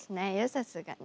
さすがに。